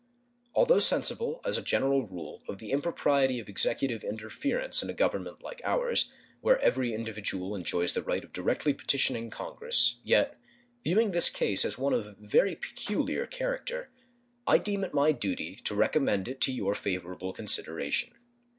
Although sensible, as a general rule, of the impropriety of Executive interference under a Government like ours, where every individual enjoys the right of directly petitioning Congress, yet, viewing this case as one of very peculiar character, I deem it my duty to recommend it to your favorable consideration.